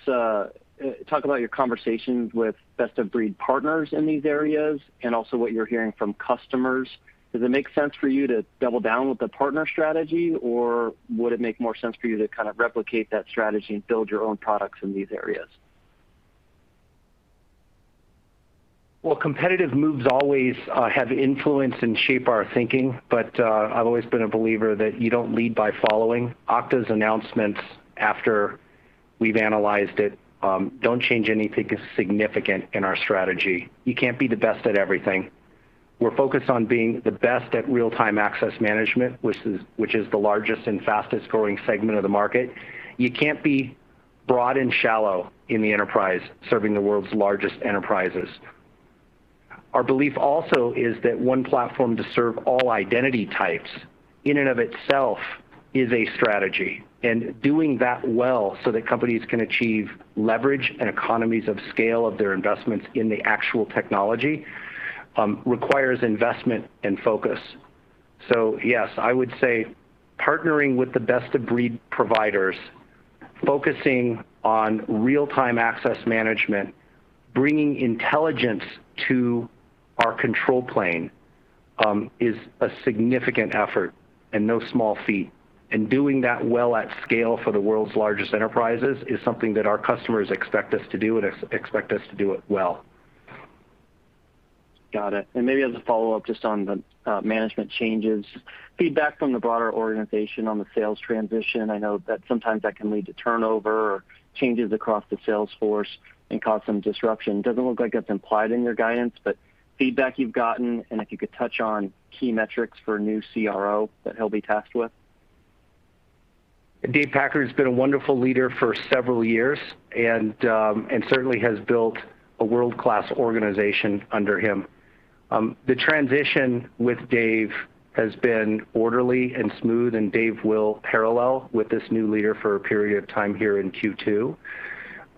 talk about your conversations with best-of-breed partners in these areas, and also what you're hearing from customers. Does it make sense for you to double down with the partner strategy, or would it make more sense for you to replicate that strategy and build your own products in these areas? Well, competitive moves always have influence and shape our thinking. I've always been a believer that you don't lead by following. Okta's announcements, after we've analyzed it, don't change anything significant in our strategy. You can't be the best at everything. We're focused on being the best at real-time access management, which is the largest and fastest-growing segment of the market. You can't be broad and shallow in the enterprise, serving the world's largest enterprises. Our belief also is that one platform to serve all identity types, in and of itself, is a strategy. Doing that well so that companies can achieve leverage and economies of scale of their investments in the actual technology, requires investment and focus. Yes, I would say partnering with the best-of-breed providers, focusing on real-time access management, bringing intelligence to our control plane, is a significant effort and no small feat. Doing that well at scale for the world's largest enterprises is something that our customers expect us to do, and expect us to do it well. Got it. Maybe as a follow-up just on the management changes, feedback from the broader organization on the sales transition. I know that sometimes that can lead to turnover or changes across the sales force and cause some disruption. Doesn't look like that's implied in your guidance, but feedback you've gotten, and if you could touch on key metrics for a new CRO that he'll be tasked with. Dave Packer's been a wonderful leader for several years. Certainly has built a world-class organization under him. The transition with Dave has been orderly and smooth. Dave will parallel with this new leader for a period of time here in Q2.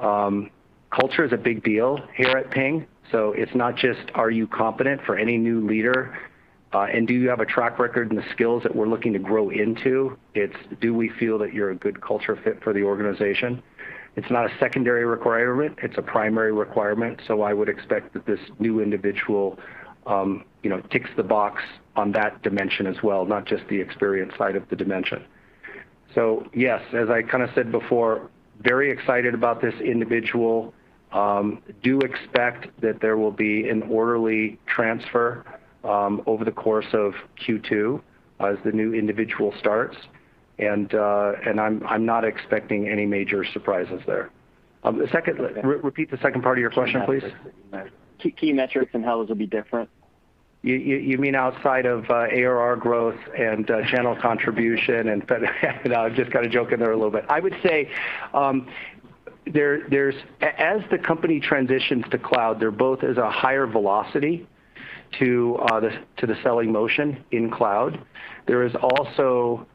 Culture is a big deal here at Ping. It's not just are you competent for any new leader, and do you have a track record and the skills that we're looking to grow into? It's, do we feel that you're a good culture fit for the organization? It's not a secondary requirement, it's a primary requirement. I would expect that this new individual ticks the box on that dimension as well, not just the experience side of the dimension. Yes, as I said before, very excited about this individual. Do expect that there will be an orderly transfer over the course of Q2 as the new individual starts. I'm not expecting any major surprises there. The second, repeat the second part of your question, please. Key metrics and how those will be different. You mean outside of ARR growth and channel contribution and No, I'm just joking there a little bit. I would say, as the company transitions to cloud, there's both a higher velocity to the selling motion in cloud. There is also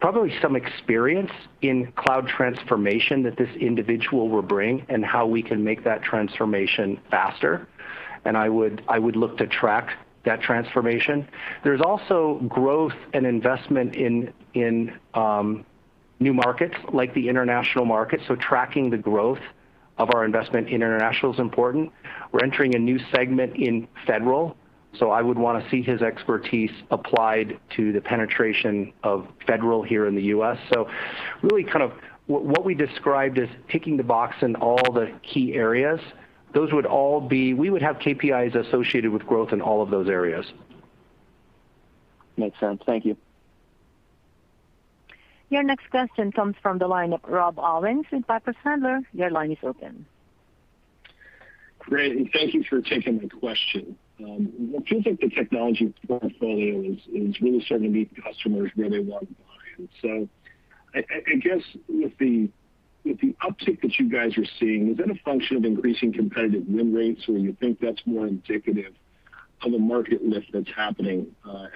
probably some experience in cloud transformation that this individual will bring and how we can make that transformation faster. I would look to track that transformation. There's also growth and investment in new markets, like the international market, so tracking the growth of our investment in international is important. We're entering a new segment in federal, so I would want to see his expertise applied to the penetration of federal here in the U.S. Really, what we described as ticking the box in all the key areas, we would have KPIs associated with growth in all of those areas. Makes sense. Thank you. Your next question comes from the line of Rob Owens with Piper Sandler. Your line is open. Great, thank you for taking the question. It feels like the technology portfolio is really starting to meet the customers where they want to buy in. I guess with the uptick that you guys are seeing, is that a function of increasing competitive win rates, or you think that's more indicative of a market lift that's happening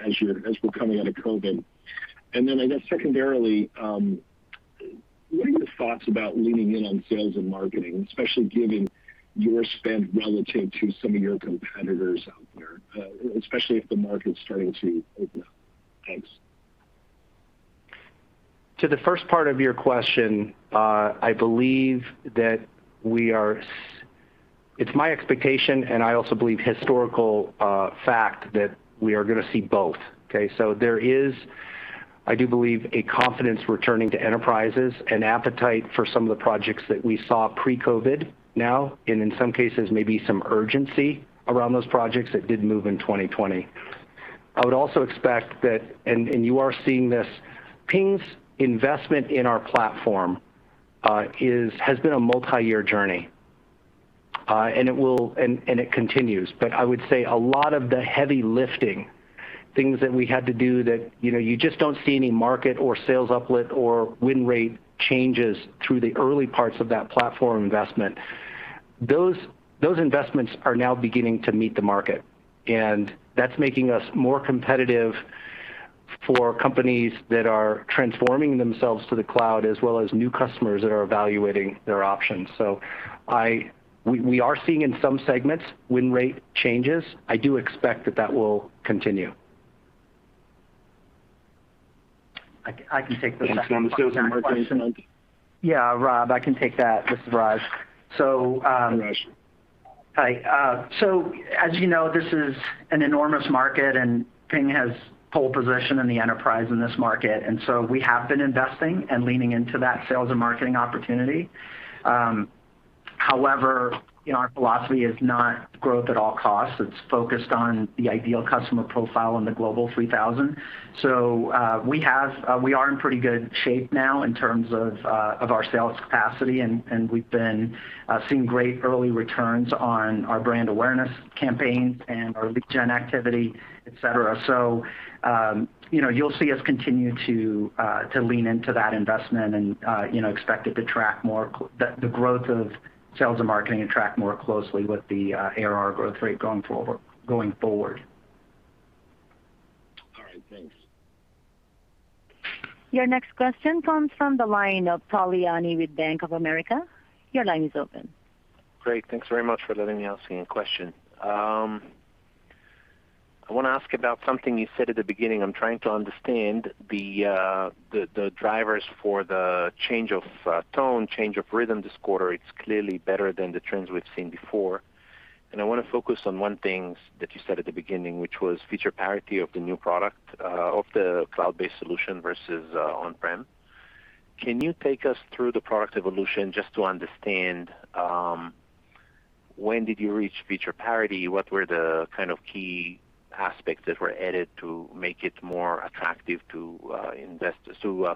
as we're coming out of COVID? I guess secondarily, what are your thoughts about leaning in on sales and marketing, especially given your spend relative to some of your competitors out there, especially if the market's starting to open up? Thanks. To the first part of your question, it's my expectation, and I also believe historical fact, that we are going to see both. Okay. There is, I do believe, a confidence returning to enterprises, an appetite for some of the projects that we saw pre-COVID now, and in some cases, maybe some urgency around those projects that did move in 2020. I would also expect that, and you are seeing this, Ping's investment in our platform has been a multiyear journey. It continues. I would say a lot of the heavy lifting, things that we had to do that you just don't see any market or sales uplift or win rate changes through the early parts of that platform investment. Those investments are now beginning to meet the market, and that's making us more competitive for companies that are transforming themselves to the cloud, as well as new customers that are evaluating their options. We are seeing, in some segments, win rate changes. I do expect that that will continue. I can take the second part of that question. On the sales and marketing spend? Yeah, Rob, I can take that. This is Raj. Hi, Raj. Hi. As you know, this is an enormous market, and Ping Identity has pole position in the enterprise in this market. We have been investing and leaning into that sales and marketing opportunity. However, our philosophy is not growth at all costs. It's focused on the ideal customer profile in the Global 3000. We are in pretty good shape now in terms of our sales capacity, and we've been seeing great early returns on our brand awareness campaigns and our lead gen activity, et cetera. You'll see us continue to lean into that investment and expect the growth of sales and marketing to track more closely with the ARR growth rate going forward. All right. Thanks. Your next question comes from the line of Tal Liani with Bank of America. Your line is open. Great. Thanks very much for letting me ask a question. I want to ask about something you said at the beginning. I'm trying to understand the drivers for the change of tone, change of rhythm this quarter. It's clearly better than the trends we've seen before. I want to focus on one thing that you said at the beginning, which was feature parity of the new product, of the cloud-based solution versus on-prem. Can you take us through the product evolution just to understand when did you reach feature parity? What were the kind of key aspects that were added to make it more attractive to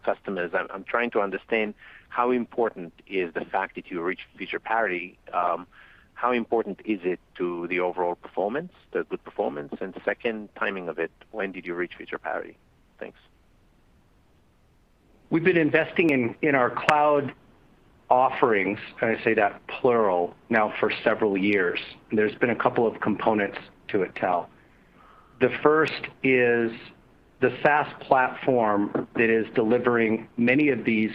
customers? I'm trying to understand how important is the fact that you reached feature parity. How important is it to the overall performance, the good performance? Second, timing of it. When did you reach feature parity? Thanks. We've been investing in our cloud offerings, and I say that plural, now for several years. There's been a couple of components to it, Tal. The first is the SaaS platform that is delivering many of these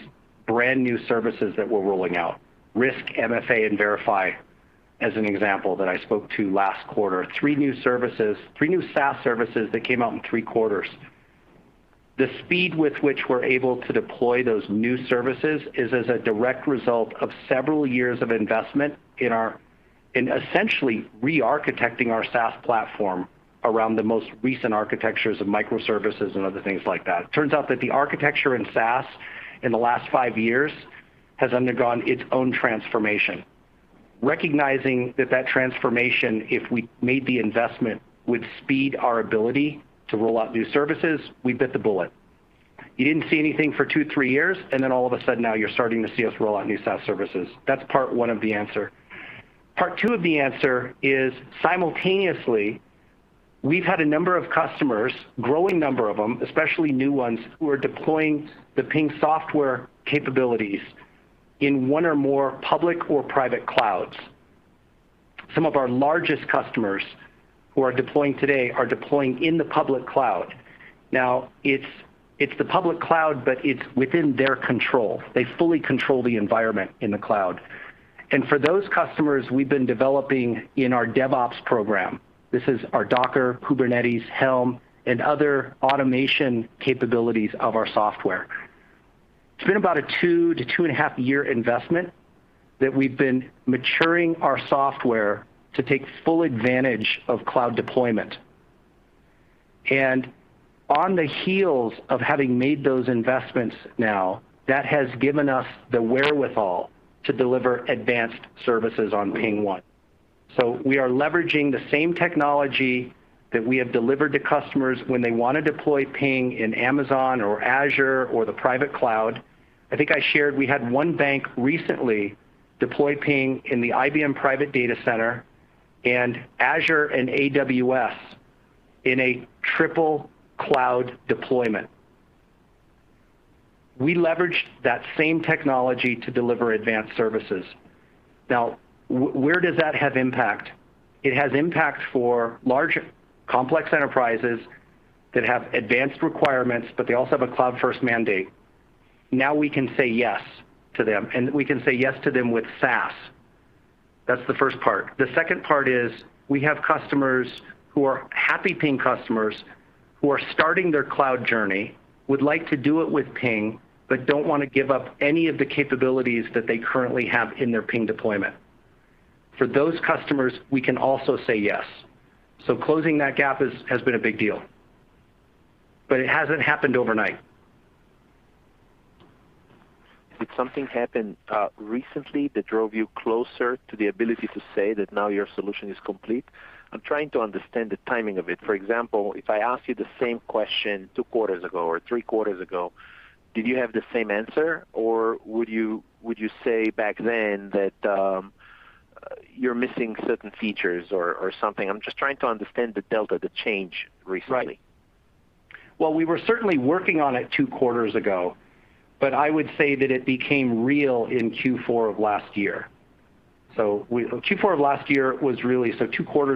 brand-new services that we're rolling out. Risk, MFA, and Verify as an example that I spoke to last quarter. Three new SaaS services that came out in three quarters. The speed with which we're able to deploy those new services is as a direct result of several years of investment in essentially re-architecting our SaaS platform around the most recent architectures of microservices and other things like that. It turns out that the architecture in SaaS in the last five years has undergone its own transformation. Recognizing that that transformation, if we made the investment, would speed our ability to roll out new services, we bit the bullet. You didn't see anything for two, three years, and then all of a sudden now you're starting to see us roll out new SaaS services. That's part one of the answer. Part two of the answer is simultaneously, we've had a number of customers, growing number of them, especially new ones, who are deploying the Ping software capabilities in one or more public or private clouds. Some of our largest customers who are deploying today are deploying in the public cloud. Now it's the public cloud, but it's within their control. They fully control the environment in the cloud. For those customers, we've been developing in our DevOps program. This is our Docker, Kubernetes, Helm, and other automation capabilities of our software. It's been about a 2-2.5 year investment that we've been maturing our software to take full advantage of cloud deployment. On the heels of having made those investments now, that has given us the wherewithal to deliver advanced services on PingOne. So we are leveraging the same technology that we have delivered to customers when they want to deploy Ping in Amazon or Azure or the private cloud. I think I shared, we had one bank recently deploy Ping in the IBM Private Data Center and Azure and AWS in a triple cloud deployment. We leveraged that same technology to deliver advanced services. Where does that have impact? It has impact for large, complex enterprises that have advanced requirements, but they also have a cloud-first mandate. We can say yes to them, and we can say yes to them with SaaS. That's the first part. The second part is we have customers who are happy Ping customers who are starting their cloud journey, would like to do it with Ping, but don't want to give up any of the capabilities that they currently have in their Ping deployment. For those customers, we can also say yes. Closing that gap has been a big deal, but it hasn't happened overnight. Did something happen recently that drove you closer to the ability to say that now your solution is complete? I'm trying to understand the timing of it. For example, if I ask you the same question two quarters ago or three quarters ago, did you have the same answer, or would you say back then that you're missing certain features or something? I'm just trying to understand the delta, the change recently. Well, we were certainly working on it two quarters ago. I would say that it became real in Q4 of last year. Two quarters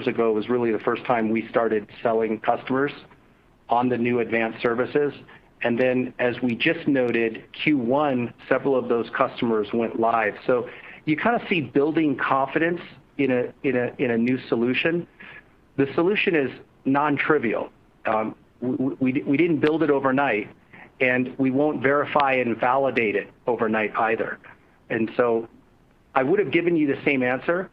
ago was really the first time we started selling customers on the new Advanced Services. As we just noted, Q1, several of those customers went live. You kind of see building confidence in a new solution. The solution is non-trivial. We didn't build it overnight. We won't verify and validate it overnight either. I would've given you the same answer,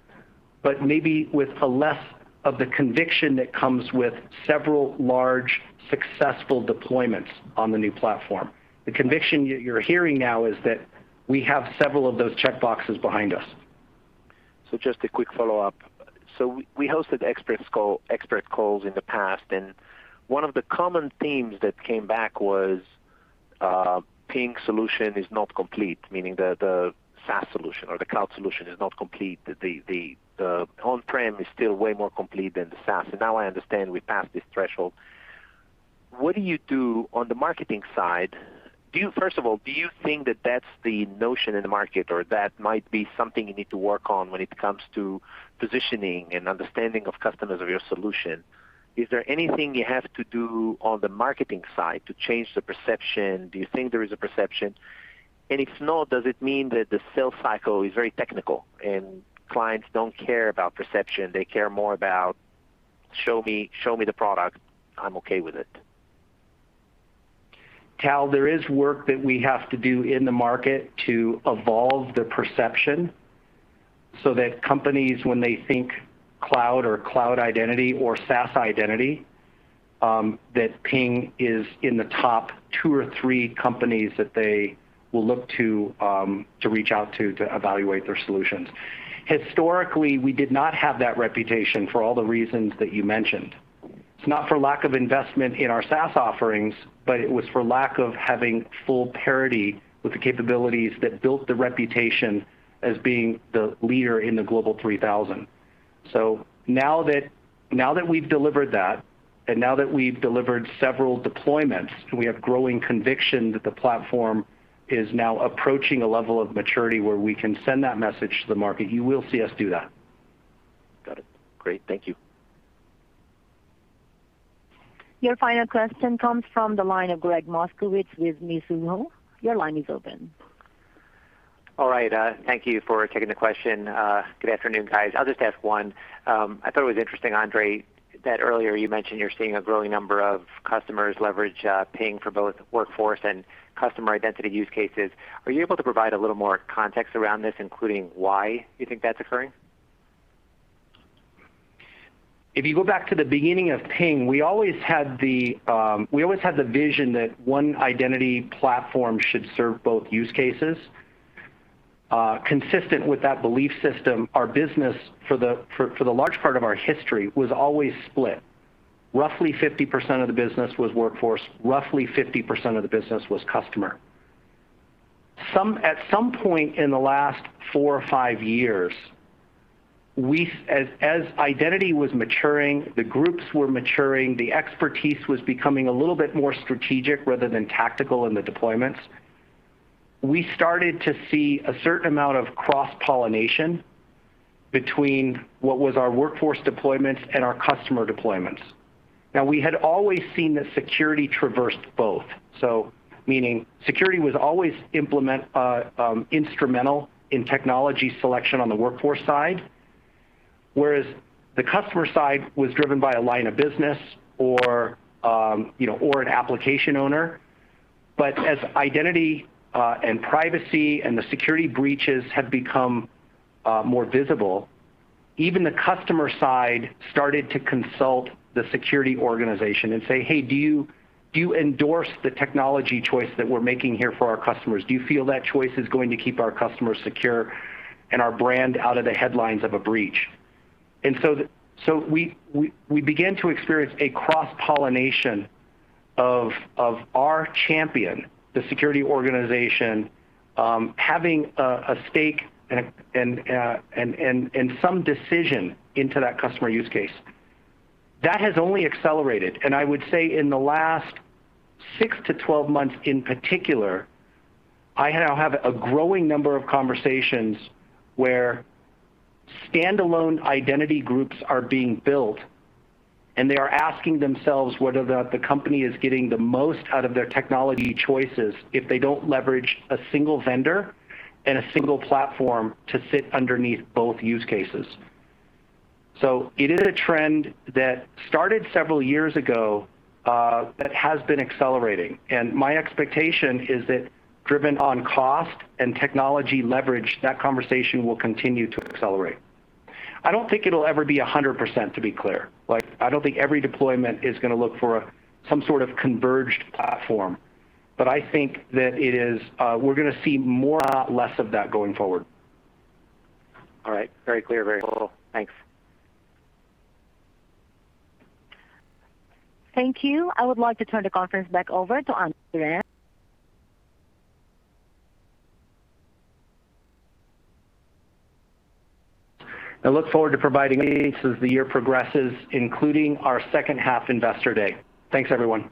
but maybe with less of the conviction that comes with several large, successful deployments on the new platform. The conviction you're hearing now is that we have several of those checkboxes behind us. Just a quick follow-up. We hosted expert calls in the past, and one of the common themes that came back was Ping solution is not complete, meaning that the SaaS solution or the cloud solution is not complete, that the on-prem is still way more complete than the SaaS. Now I understand we passed this threshold. What do you do on the marketing side? First of all, do you think that that's the notion in the market, or that might be something you need to work on when it comes to positioning and understanding of customers of your solution? Is there anything you have to do on the marketing side to change the perception? Do you think there is a perception? If not, does it mean that the sales cycle is very technical and clients don't care about perception, they care more about, "Show me the product. I'm okay with it"? Tal, there is work that we have to do in the market to evolve the perception so that companies, when they think cloud or cloud identity or SaaS identity, that Ping Identity is in the top two or three companies that they will look to reach out to evaluate their solutions. Historically, we did not have that reputation for all the reasons that you mentioned. It's not for lack of investment in our SaaS offerings, but it was for lack of having full parity with the capabilities that built the reputation as being the leader in the Global 3000. Now that we've delivered that, and now that we've delivered several deployments, and we have growing conviction that the platform is now approaching a level of maturity where we can send that message to the market, you will see us do that. Got it. Great. Thank you. Your final question comes from the line of Gregg Moskowitz with Mizuho. Your line is open. All right. Thank you for taking the question. Good afternoon, guys. I'll just ask one. I thought it was interesting, Andre, that earlier you mentioned you're seeing a growing number of customers leverage Ping for both workforce and customer identity use cases. Are you able to provide a little more context around this, including why you think that's occurring? If you go back to the beginning of Ping, we always had the vision that one identity platform should serve both use cases. Consistent with that belief system, our business, for the large part of our history, was always split. Roughly 50% of the business was workforce, roughly 50% of the business was customer. At some point in the last four or five years, as identity was maturing, the groups were maturing, the expertise was becoming a little bit more strategic rather than tactical in the deployments, we started to see a certain amount of cross-pollination between what was our workforce deployments and our customer deployments. We had always seen that security traversed both. Meaning security was always instrumental in technology selection on the workforce side, whereas the customer side was driven by a line of business or an application owner. As identity and privacy and the security breaches have become more visible, even the customer side started to consult the security organization and say, "Hey, do you endorse the technology choice that we're making here for our customers? Do you feel that choice is going to keep our customers secure and our brand out of the headlines of a breach?" We began to experience a cross-pollination of our champion, the security organization, having a stake and some decision into that customer use case. That has only accelerated. I would say in the last six to 12 months in particular, I now have a growing number of conversations where standalone identity groups are being built. They are asking themselves whether the company is getting the most out of their technology choices if they don't leverage a single vendor and a single platform to sit underneath both use cases. It is a trend that started several years ago, that has been accelerating. My expectation is that driven on cost and technology leverage, that conversation will continue to accelerate. I don't think it'll ever be 100%, to be clear. I don't think every deployment is going to look for some sort of converged platform. I think that we're going to see more, not less of that going forward. All right. Very clear. Very helpful. Thanks. Thank you. I would like to turn the conference back over to Andre. I look forward to providing updates as the year progresses, including our second half investor day. Thanks, everyone.